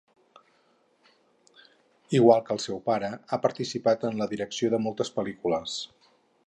Igual que el seu pare, ha participat en la direcció de moltes pel·lícules.